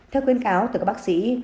theo khuyến cáo từ các bác sĩ